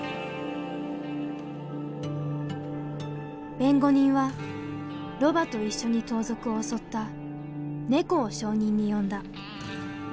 弁護人はロバと一緒に盗賊を襲ったネコを証人に呼んだ。